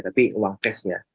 tapi uang cash ya